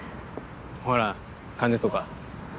ほら金とか。